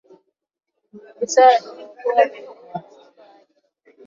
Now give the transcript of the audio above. afisa alimwokoa winnie na watoto wake